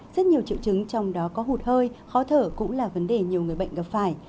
rất nhiều triệu chứng trong đó có hụt hơi khó thở cũng là vấn đề nhiều người bệnh gặp phải